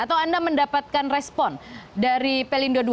atau anda mendapatkan respon dari pelindo ii